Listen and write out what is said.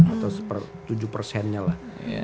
atau tujuh nya lah